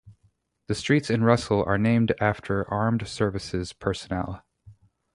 The streets in Russell are named after armed services personnel.